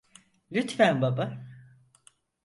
Lütfen baba.